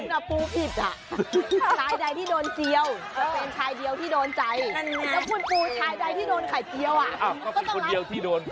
แล้วผู้ปูตายใดที่โดนไข่เจี๊ยว